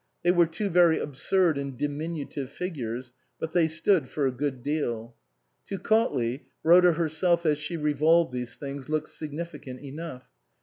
They were two very absurd and diminutive figures, but they stood for a good deal. To Cautley, Rhoda herself as she revolved these things looked significant enough.